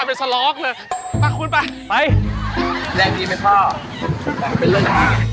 แรกเป็นเรื่องที่ง่าย